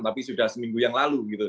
tapi sudah seminggu yang lalu gitu